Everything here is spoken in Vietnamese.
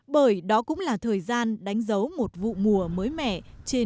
bởi đó cũng là thời gian đánh dấu một vụ mùa mới mẻ